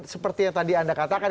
seperti yang tadi anda katakan